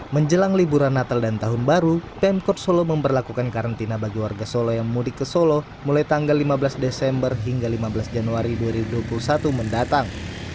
menjelang liburan natal dan tahun baru pemkot solo memperlakukan karantina bagi warga solo yang mudik ke solo mulai tanggal lima belas desember hingga lima belas januari dua ribu dua puluh satu mendatang